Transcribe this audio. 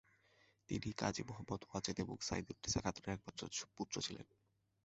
তিনি কাজী মুহম্মদ ওয়াজেদ এবং সাইদুন্নেসা খাতুনের একমাত্র পুত্র ছিলেন।